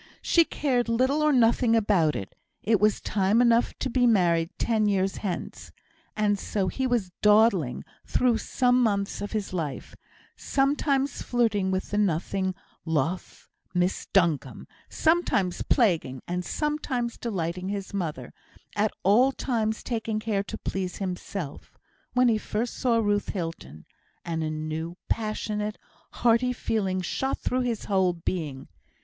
He cared little or nothing about it it was time enough to be married ten years hence; and so he was dawdling through some months of his life sometimes flirting with the nothing loath Miss Duncombe, sometimes plaguing, and sometimes delighting his mother, at all times taking care to please himself when he first saw Ruth Hilton, and a new, passionate, hearty feeling shot through his whole being.